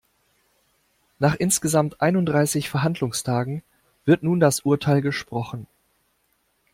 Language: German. Nach insgesamt einunddreißig Verhandlungstagen wird nun das Urteil gesprochen.